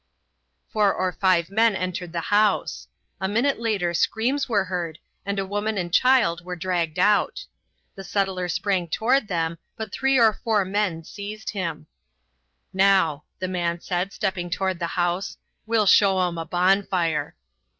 Four or five men entered the house. A minute later screams were heard and a woman and child were dragged out. The settler sprang toward them, but three or four men seized him. "Now," the man said, stepping toward the house, "we'll show 'em a bonfire."